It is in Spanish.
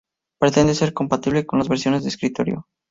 Pretende ser compatible con las versiones de escritorio.